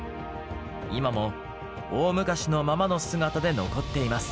今も大昔のままの姿で残っています。